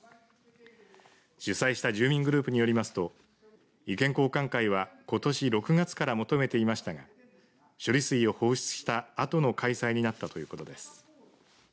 主催した住民グループによりますと意見交換会はことし６月から求めていましたが処理水を放出したあとの開催になったということです。